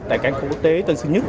tại cảng công quốc tế tân sơn nhất